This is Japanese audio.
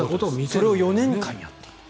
それを４年間やった。